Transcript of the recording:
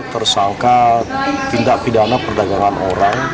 tersangka tindak pidana perdagangan orang